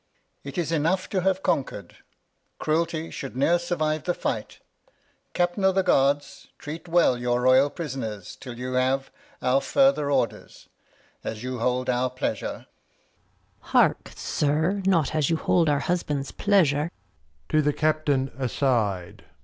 Alb. It is enough to have Conquer'd, Cruelty Shou'd ne're survive the Fight. Captain o' th'Guards, Treat weU your royal Prisoners 'till you have Our farther Orders, as you hold our Pleasure. R 242 The History of [Act v Gon. Heark! Sir, not as you hold our Husband's Pleasure. \To the Captain aside.